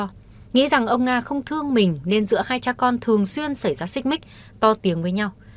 tuy nhiên rằng ông nga không thương mình nên giữa hai cha con thường xuyên xảy ra xích mích to tiếng với nhau